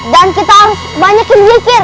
dan kita harus banyakin zikir